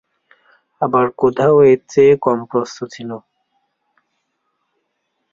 আবার কোথাও এর চেয়ে কম প্রস্থ ছিল।